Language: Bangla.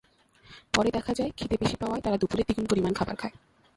পরে দেখা যায়, খিদে বেশি পাওয়ায় তারা দুপুরে দ্বিগুণ পরিমাণ খাবার খায়।